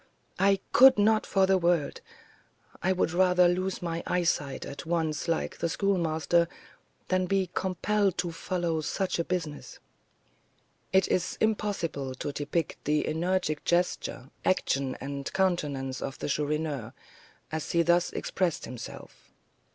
I could not for the world. I would rather lose my eyesight at once, like the Schoolmaster, than be compelled to follow such a business." It is impossible to depict the energetic gesture, action, and countenance of the Chourineur, as he thus expressed himself.